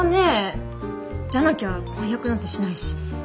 じゃなきゃ婚約なんてしないし。